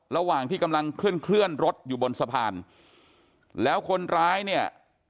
ระหว่างที่กำลังเคลื่อนรถอยู่บนสะพานแล้วคนร้ายเนี่ย